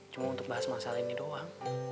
cuma untuk bahas masalah ini doang